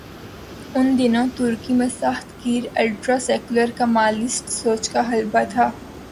ان دنوں ترکی میں سخت گیر الٹرا سیکولر کمالسٹ سوچ کا غلبہ تھا۔